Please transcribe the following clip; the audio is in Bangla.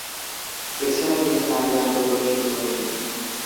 এছাড়া তিনি নারী আন্দোলন শুরু করেন।